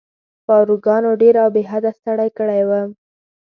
پاروګانو ډېر او بې حده ستړی کړی وم.